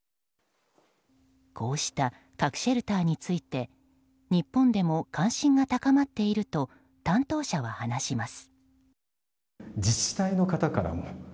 こうした核シェルターについて日本でも関心が高まっていると担当者は話します。